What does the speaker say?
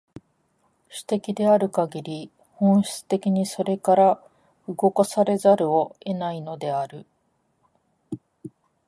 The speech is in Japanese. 種的であるかぎり、本質的にそれから動かされざるを得ないのである。